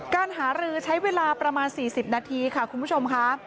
การหารือใช้เวลาประมาณ๔๐นาทีค่ะคุณผู้ชมค่ะ